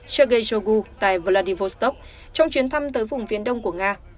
sergei shogun tại vladivostok trong chuyến thăm tới vùng viên đông của nga